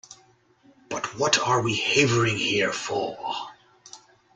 But what are we havering here for?